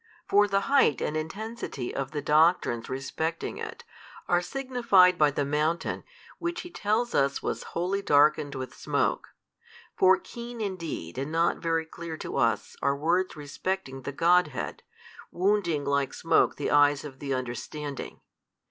For the height and intensity of the doctrines respecting It, are signified by the mountain, which he tells us was wholly darkened with smoke. For keen indeed and not very clear to us are words respecting the Godhead, wounding like smoke the eyes of the understanding.